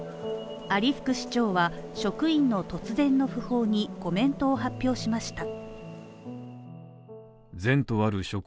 有福市長は、職員の突然の訃報にコメントを発表しました。